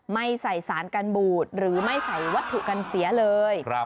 ไม่ใส่สารกันบูดหรือไม่ใส่วัตถุกันเสียเลย